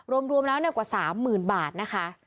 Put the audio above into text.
รวมรวมแล้วเรียกกว่าสามหมื่นบาทนะคะ